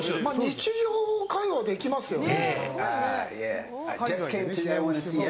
日常会話はできますね。